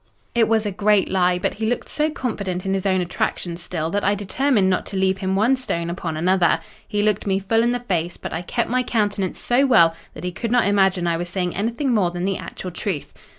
"It was a great lie, but he looked so confident in his own attractions still, that I determined not to leave him one stone upon another. He looked me full in the face; but I kept my countenance so well that he could not imagine I was saying anything more than the actual truth.